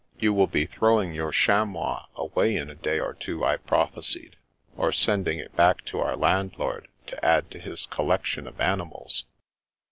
" You will be throwing your chamois away in a day or two," I prophesied, " or sending it back to our landlord to add to his collection of animals."